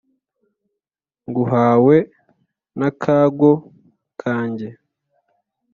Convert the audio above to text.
nguhawe n'akago kanjye ,